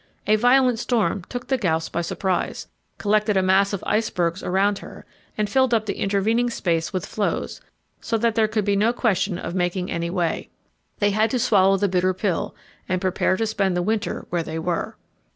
A violent storm took the Gauss by surprise, collected a mass of icebergs around her, and filled up the intervening space with floes, so that there could be no question of making any way. They had to swallow the bitter pill, and prepare to spend the winter where they were.